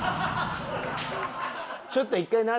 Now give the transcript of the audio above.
ちょっと一回夏